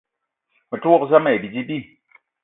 Me te wok zam ayi bidi bi.